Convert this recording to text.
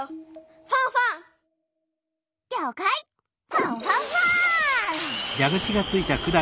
ファンファンファン！